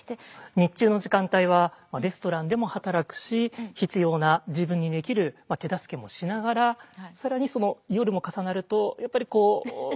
日中の時間帯はレストランでも働くし必要な自分にできる手助けもしながら更にその夜も重なるとやっぱりこう無理が。